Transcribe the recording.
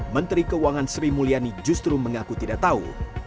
menteri keuangan sri mulyani justru mengaku tidak tahu